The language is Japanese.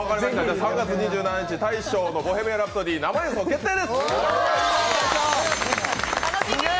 ３月２７日の大昇の「ボヘミアン・ラプソディ」生演奏決定です！